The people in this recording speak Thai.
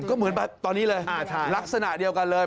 ก็เหมือนตอนนี้เลยลักษณะเดียวกันเลย